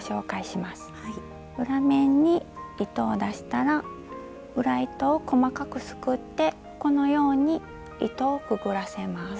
裏面に糸を出したら裏糸を細かくすくってこのように糸をくぐらせます。